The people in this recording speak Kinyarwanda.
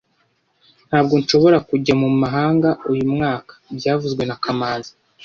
Ntabwo nshobora kujya mu mahanga uyu mwaka byavuzwe na kamanzi